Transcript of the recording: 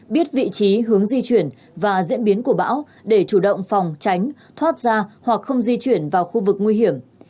biết vị trí hướng di chuyển và diễn biến của bão để chủ động phòng tránh thoát ra hoặc không di chuyển vào khu vực nguy hiểm